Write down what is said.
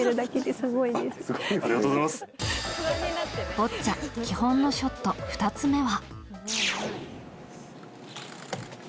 ボッチャ基本のショット２つ目は。